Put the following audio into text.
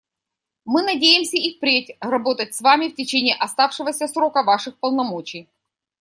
Мы надеемся и впредь работать с Вами в течение оставшегося срока Ваших полномочий.